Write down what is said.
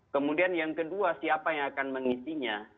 kemudian yang kedua siapa yang akan mengisinya